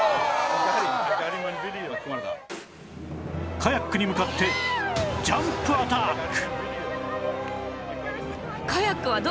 カヤックに向かってジャンプアタック！